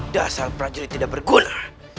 dasar prajurit tidak berguna